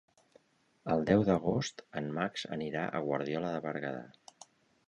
El deu d'agost en Max anirà a Guardiola de Berguedà.